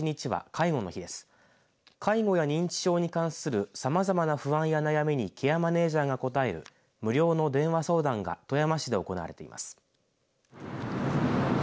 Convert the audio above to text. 介護や認知症に関するさまざまな不安や悩みにケアマネージャーが答える無料の電話相談が富山市で行われています。